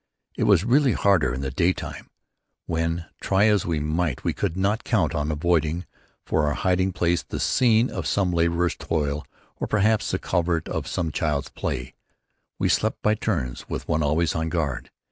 It was really harder in the day time; when, try as we might, we could not count on avoiding for our hiding place the scene of some labourer's toil or perhaps the covert of some child's play. We slept by turns with one always on guard.